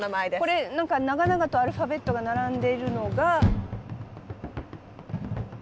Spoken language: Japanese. これ何か長々とアルファベットが並んでいるのが。